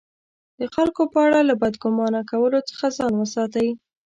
د خلکو په اړه له بد ګمان کولو څخه ځان وساتئ!